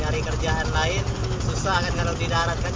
nyari kerjaan lain susah kan kalau di darat kan